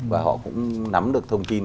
và họ cũng nắm được thông tin